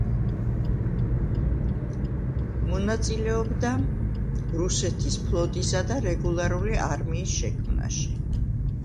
მონაწილეობდა რუსეთის ფლოტისა და რეგულარული არმიის შექმნაში.